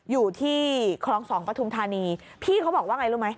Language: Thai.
อยู่ที่คลองสองปฐุมธานีพี่เขาบอกว่าไงรู้ไหม